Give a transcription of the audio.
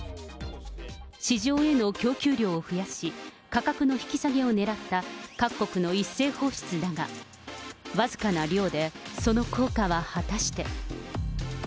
市場への供給量を増やし、価格の引き下げをねらった各国の一斉放出だが、僅かな量でその効果は果たして。